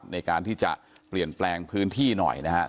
ในการที่จะเปลี่ยนแปลงพื้นที่หน่อยนะครับ